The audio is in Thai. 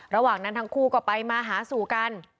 ระหว่างนั้นทั้งคู่ก็ไปมาหาสู่กัน